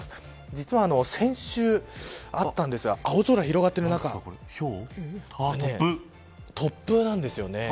実は先週あったんですが青空広がっている中突風なんですよね。